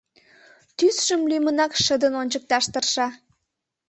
Тӱсшым лӱмынак шыдын ончыкташ тырша.